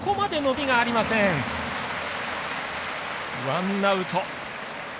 ワンアウト。